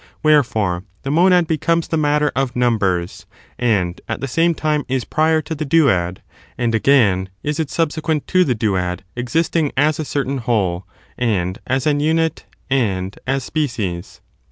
Wherefore, the monad becomes the matter of numbers, and at the same time is prior to the duad ; and, again, is it subsequent to the duad existing as a certain whole, and as an unit, and as species.